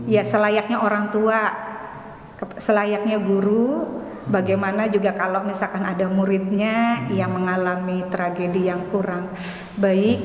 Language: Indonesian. ya selayaknya orang tua selayaknya guru bagaimana juga kalau misalkan ada muridnya yang mengalami tragedi yang kurang baik